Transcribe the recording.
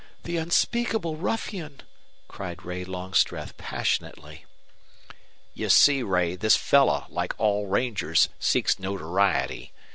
The unspeakable ruffian!" cried Ray Longstreth, passionately. "You see, Ray, this fellow, like all rangers, seeks notoriety.